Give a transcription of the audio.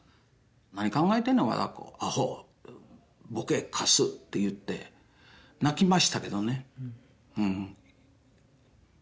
何考えてんねんお前アッコアホボケカスって言って泣きましたけどね